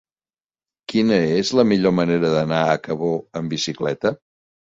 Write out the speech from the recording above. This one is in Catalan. Quina és la millor manera d'anar a Cabó amb bicicleta?